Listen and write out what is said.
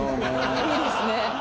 いいですね。